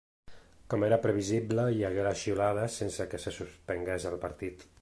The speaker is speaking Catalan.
Com era previsible, hi hagué la xiulada sense que se suspengués el partit.